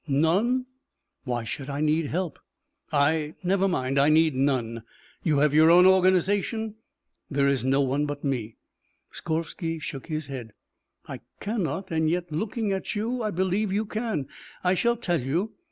"None!" "Why should I need help? I never mind. I need none." "You have your own organization?" "There is no one but me." Skorvsky shook his head. "I cannot and yet looking at you I believe you can. I shall tell you.